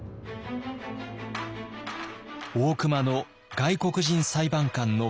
大隈の外国人裁判官のプラン。